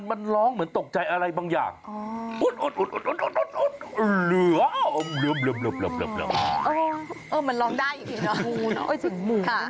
เออมันร้องได้อีกแล้วนะค่ะหนูถึงหมูค่ะ